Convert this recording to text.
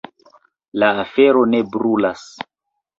La afero ne brulas.